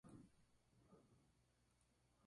Las dos especies se cultivan a veces como ornamentales.